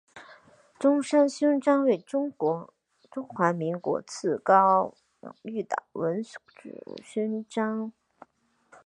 中山勋章为中华民国次高荣誉的文职勋章。